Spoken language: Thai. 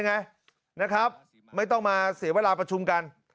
ไงนะครับไม่ต้องมาเสียเวลาประชุมกัน